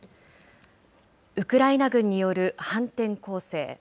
ウクライナ軍による反転攻勢。